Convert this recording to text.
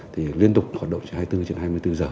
thì liên tục hoạt động hai mươi bốn h trên hai mươi bốn h